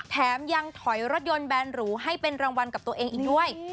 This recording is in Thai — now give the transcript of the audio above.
แถมยังถอยรถยนต์แบนหรูให้เป็นรางวัลกับตัวเองอีกด้วย